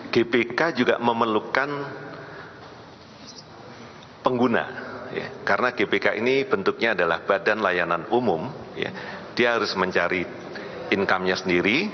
gbk juga memerlukan pengguna karena gbk ini bentuknya adalah badan layanan umum dia harus mencari income nya sendiri